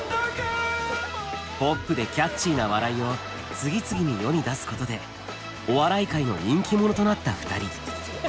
ポップでキャッチーな笑いを次々に世に出すことでお笑い界の人気者となった２人。